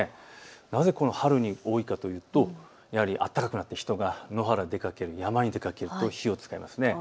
なぜ春に多いかというとやはり暖かくなって人が野原に出かける、山に出かけると火を使いますね。